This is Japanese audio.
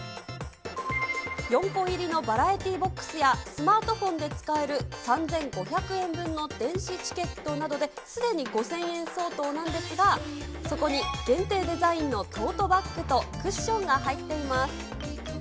４個入りのバラエティボックスや、スマートフォンで使える３５００円分の電子チケットなどで、すでに５０００円相当なんですが、そこに限定デザインのトートバッグとクッションが入っています。